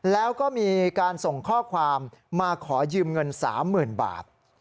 แล้วก็มีการส่งข้อความมาขอยืมเงิน๓๐๐๐บาท